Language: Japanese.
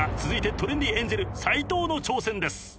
［続いてトレンディエンジェル斎藤の挑戦です］